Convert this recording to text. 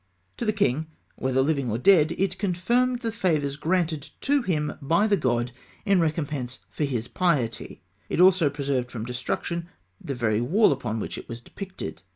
To the king, whether living or dead, it confirmed the favours granted to him by the god in recompense for his piety. It also preserved from destruction the very wall upon which it was depicted.